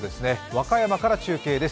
和歌山から中継です。